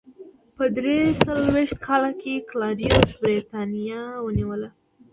په درې څلوېښت کال کې کلاډیوس برېټانیا ونیوله.